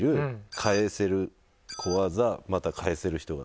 かえせる小技またかえせる人が。